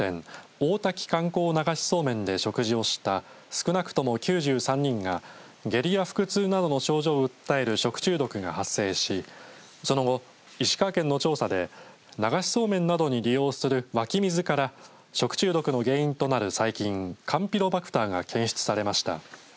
大滝観光流しそうめんで食事をした少なくとも９３人が下痢や腹痛などの症状を訴える食中毒が発生しその後、石川県の調査で流しそうめんなどに利用する湧き水から食中毒の原因となる細菌カンピロバクターが検出されました。